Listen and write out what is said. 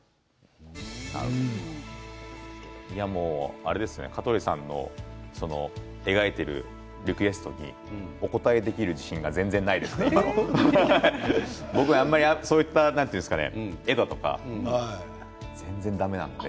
あれですね、香取さんの描いているリクエストにお応えできる自信が全然ないですね、今は僕はそういった、絵だとか全然だめなので。